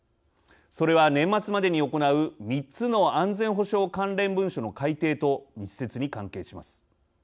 それは、年末までに行う３つの安全保障関連文書の改定と密接に関係します。